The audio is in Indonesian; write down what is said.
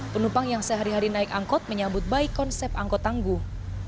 penumpang yang sehari hari naik angkot menyambut baik konsep angkot tangguh